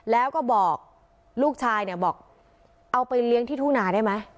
แล้วก็บอกลูกชายเอาไปเลี้ยงที่ทุนาได้ไหม